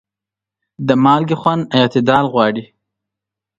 د مالګې خوند اعتدال غواړي.